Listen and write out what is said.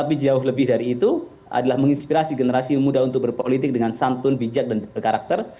tapi jauh lebih dari itu adalah menginspirasi generasi muda untuk berpolitik dengan santun bijak dan berkarakter